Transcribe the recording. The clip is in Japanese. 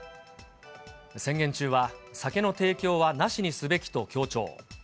宣言中は酒の提供はなしにすべきと強調。